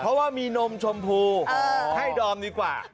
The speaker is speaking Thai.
เพราะว่ามีนมชมพูให้ดอมดีกว่า